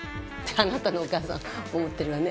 あなたのお母さん思ってるわね。